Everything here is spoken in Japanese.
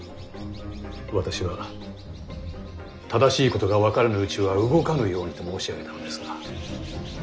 私は正しいことが分からぬうちは動かぬようにと申し上げたのですが。